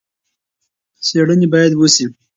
څېړنې باید وشي.